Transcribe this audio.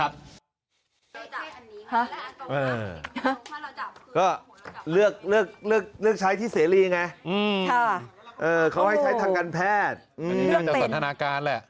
ทางการแพทย์เลือกเป็นอันนี้น่าจะสนทนาการแหละ